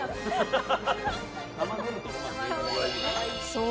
そう！